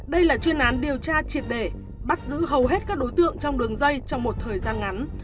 đây là chuyên án điều tra triệt để bắt giữ hầu hết các đối tượng trong đường dây trong một thời gian ngắn